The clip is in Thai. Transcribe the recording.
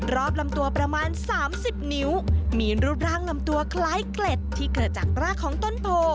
ลำตัวประมาณ๓๐นิ้วมีรูปร่างลำตัวคล้ายเกล็ดที่เกิดจากรากของต้นโพ